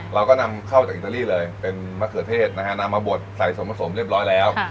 เราก็นำเข้าจากอิตาลีเลยเป็นมะเขือเทศนะฮะนำมาบดใส่สมผสมเรียบร้อยแล้ว